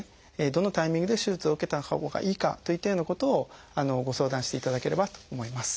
どのタイミングで手術を受けたほうがいいかといったようなことをご相談していただければと思います。